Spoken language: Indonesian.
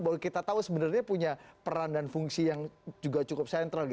bahwa kita tahu sebenarnya punya peran dan fungsi yang juga cukup sentral